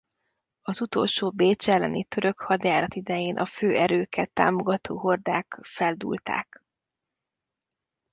Az utolsó Bécs elleni török hadjárat idején a fő erőket támogató hordák feldúlták.